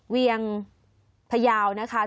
เวียงพยาวนะคะ